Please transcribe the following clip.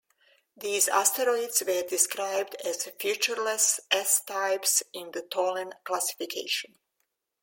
These asteroids were described as "featureless" S-types in the Tholen classification.